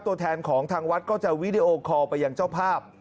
ตัวแทนของทางวัดก็จะวีดีโอคอลไปยังเจ้าภาพ